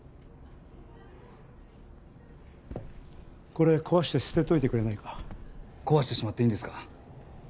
これ壊して捨てといてくれないか壊してしまっていいんですか？